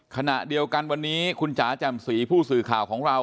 ขณะเดียวกันวันนี้คุณจ๋าแจ่มสีผู้สื่อข่าวของเรา